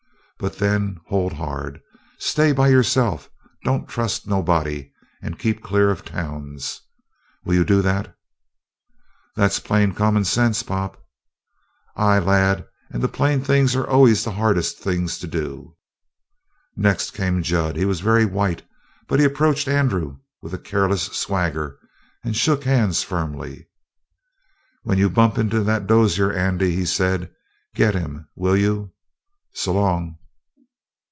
But then hold hard. Stay by yourself. Don't trust to nobody. And keep clear of towns. Will you do that?" "That's plain common sense, Pop." "Aye, lad, and the plain things are always the hardest things to do." Next came Jud. He was very white, but he approached Andrew with a careless swagger and shook hands firmly. "When you bump into that Dozier, Andy," he said, "get him, will you? S'long!"